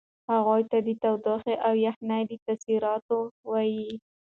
هغوی ته د تودوخې او یخنۍ د تاثیراتو وایئ.